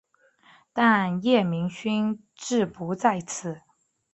但叶明勋志不在此。